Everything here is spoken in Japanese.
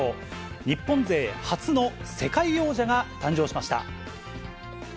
日本勢初の世界王者が誕生しました。